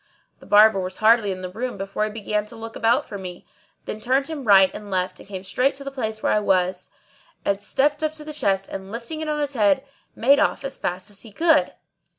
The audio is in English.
The Barber was hardly in the room before he began to look about for me, then turned him right and left and came straight to the place where I was, and stepped up to the chest and, lifting it on his head, made off as fast as he could.